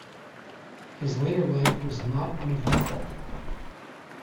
His later life was not uneventful.